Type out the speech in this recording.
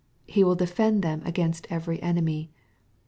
He will defend them against every enemy.